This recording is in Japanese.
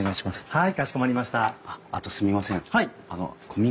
はい。